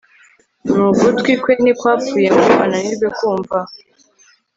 n'ugutwi kwe ntikwapfuye ngo ananirwe kumva